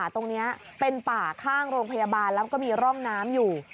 ตรงนี้เป็นป่าข้างโรงพยาบาลแล้วก็มีร่องน้ำอยู่